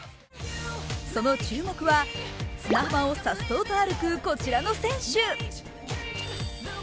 その注目は、砂浜をさっそうと歩くこちらの選手。